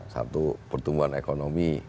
satu pertumbuhan ekonomi